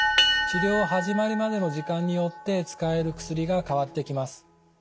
治療を始めるまでの時間によって使える薬が変わってきます。